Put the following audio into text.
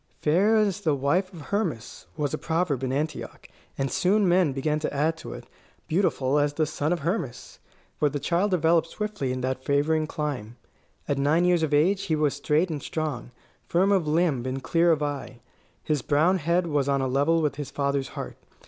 "Fair as the wife of Hermas" was a proverb in Antioch; and soon men began to add to it, "Beautiful as the son of Hermas"; for the child developed swiftly in that favouring clime. At nine years of age he was straight and strong, firm of limb and clear of eye. His brown head was on a level with his father's heart.